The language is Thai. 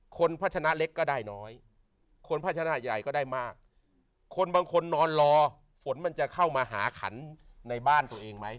พัชนะเล็กก็ได้น้อยคนพัชนะใหญ่ก็ได้มากคนบางคนนอนรอฝนมันจะเข้ามาหาขันในบ้านตัวเองไหม